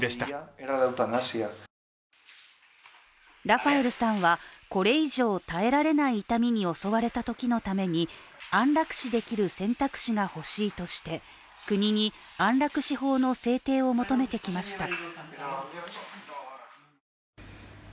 ラファエルさんは、これ以上耐えられない痛みに襲われたときのために安楽死できる選択肢が欲しいとして国に安楽死法の制定を求めてきました。